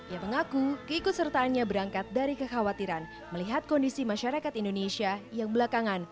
yang mengaku keikut sertaannya berangkat dari kekhawatiran melihat kondisi masyarakat indonesia yang belakangan